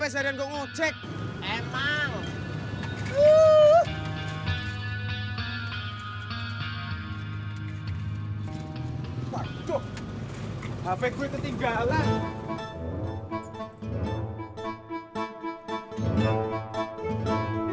waduh hp gue ketinggalan